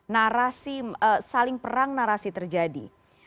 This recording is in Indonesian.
narasi saling perang narasi terjadi